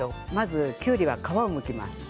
きゅうりは皮をむきます。